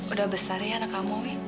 udah besar ya anak kamu nih